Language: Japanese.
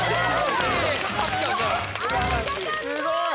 すごい！